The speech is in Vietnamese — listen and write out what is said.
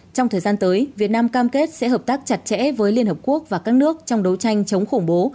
trong thời gian tới việt nam cam kết sẽ hợp tác chặt chẽ với liên hợp quốc và các nước trong đấu tranh chống khủng bố